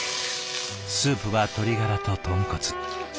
スープは鶏ガラと豚骨。